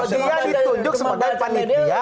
dia ditunjuk sebagai panitia